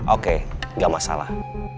oke gak masalah